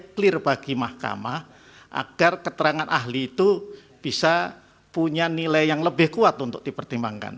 clear bagi mahkamah agar keterangan ahli itu bisa punya nilai yang lebih kuat untuk dipertimbangkan